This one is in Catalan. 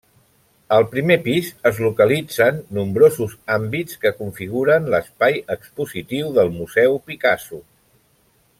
Al primer pis, es localitzen nombrosos àmbits que configuren l'espai expositiu del Museu Picasso.